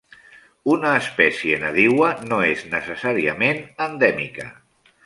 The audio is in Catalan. Una espècie nadiua no és necessàriament endèmica.